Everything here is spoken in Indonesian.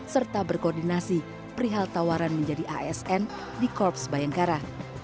serta berkoordinasi perihal tawaran menjadi asn di korps bayangkara